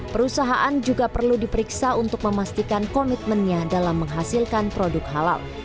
perusahaan juga perlu diperiksa untuk memastikan komitmennya dalam menghasilkan produk halal